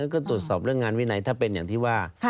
ก็ตรวจสอบเรื่องงานวินัยถ้าเป็นอย่างที่ว่า